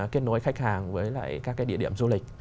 kết nối khách hàng với lại các cái địa điểm du lịch